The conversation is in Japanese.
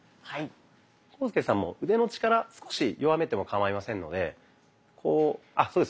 浩介さんも腕の力少し弱めてもかまいませんのでこうあそうです。